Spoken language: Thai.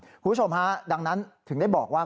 คุณผู้ชมฮะดังนั้นถึงได้บอกว่า